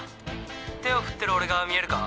手を振ってる俺が見えるか？」